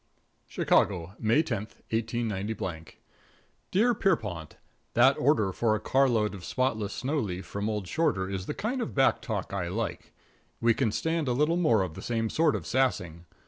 |++ XIII CHICAGO, May 10, 189 Dear Pierrepont: That order for a carload of Spotless Snow Leaf from old Shorter is the kind of back talk I like. We can stand a little more of the same sort of sassing.